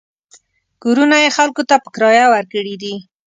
کورونه یې خلکو ته په کرایه ورکړي دي.